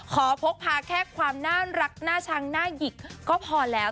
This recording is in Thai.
พกพาแค่ความน่ารักน่าชังหน้าหยิกก็พอแล้ว